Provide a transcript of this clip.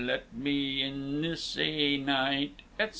Let me in this ae night," etc.